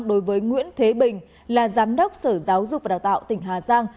người nguyễn thế bình là giám đốc sở giáo dục và đào tạo tỉnh hà giang